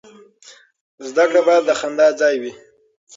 زده کړه باید د خندا ځای وي.